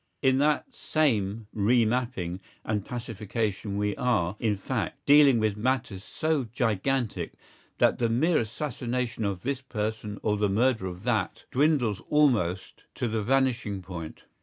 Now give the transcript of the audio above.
In that sane re mapping and pacification we are, in fact, dealing with matters so gigantic that the mere assassination of this person or the murder of that dwindles almost to the vanishing point.